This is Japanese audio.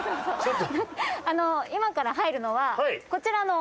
あの今から入るのはこちらの。